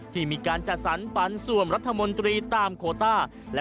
ที่มีการจัดสรรปันส่วนรัฐมนตรีตามโคต้า